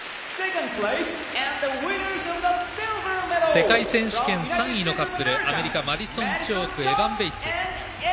世界選手権３位のカップルアメリカのマディソン・チョークエバン・ベイツ。